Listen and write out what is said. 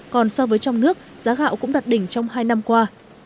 còn so với trong nước giá gạo cũng đặt đỉnh trong hai năm qua